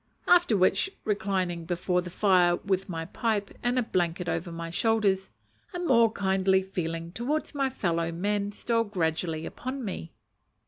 After which, reclining before the fire with my pipe, and a blanket over my shoulders, a more kindly feeling towards my fellow men stole gradually upon me.